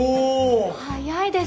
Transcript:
早いですね。